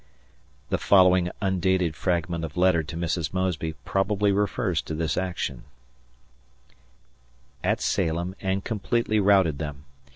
[The following undated fragment of letter to Mrs. Mosby probably refers to this action, see page 331.] ... at Salem, and completely routed them.